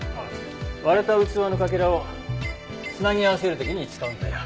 割れた器のかけらを繋ぎ合わせる時に使うんだよ。